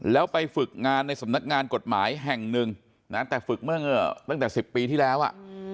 แล้วไปฝึกงานในสำนักงานกฎหมายแห่งหนึ่งนะแต่ฝึกเมื่อตั้งแต่๑๐ปีที่แล้วอ่ะ